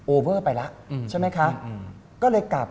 โอเวอร์ไปแล้ว